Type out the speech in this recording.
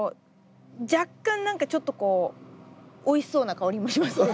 若干何かちょっとこうおいしそうな香りもしますね。